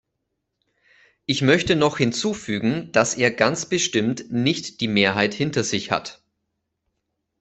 Ich möchte noch hinzufügen, dass er ganz bestimmt nicht die Mehrheit hinter sich hat.